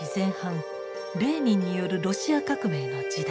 レーニンによるロシア革命の時代。